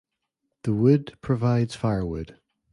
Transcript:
The wood provides firewood.